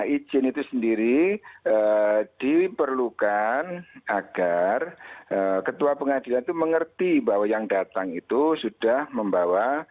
izin itu sendiri diperlukan agar ketua pengadilan itu mengerti bahwa yang datang itu sudah membawa